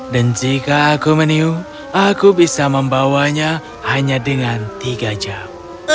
dan jika aku meniup aku bisa membawanya hanya dengan tiga jam